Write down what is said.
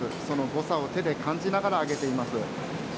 誤差を手で感じながら広げています。